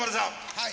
はい。